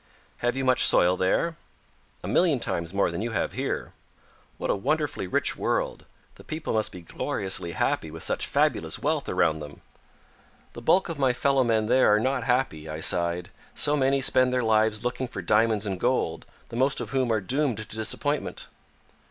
"Have you much soil there?" "A million times more than you have here." "What a wonderfully rich world! The people must be gloriously happy with such fabulous wealth around them." "The bulk of my fellow men there are not happy," I sighed. "So many spend their lives looking for diamonds and gold, the most of whom are doomed to disappointment."